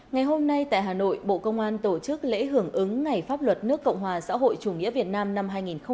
ngày hôm nay tại hà nội bộ công an tổ chức lễ hưởng ứng ngày pháp luật nước cộng hòa xã hội chủ nghĩa việt nam năm hai nghìn hai mươi